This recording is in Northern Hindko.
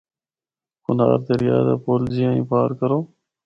کنہار دریا دا پُل جِیّاں ہی پار کرو۔